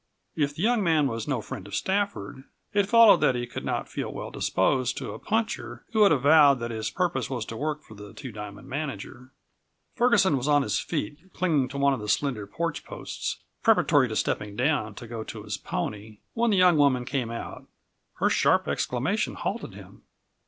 If the young man was no friend of Stafford, it followed that he could not feel well disposed to a puncher who had avowed that his purpose was to work for the Two Diamond manager. Ferguson was on his feet, clinging to one of the slender porch posts, preparatory to stepping down to go to his pony, when the young woman came out. Her sharp exclamation halted him.